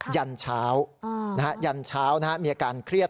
ยันเช้านะฮะยันเช้านะฮะมีอาการเครียด